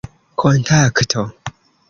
kontakto